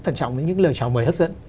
thận trọng với những lời chào mời hấp dẫn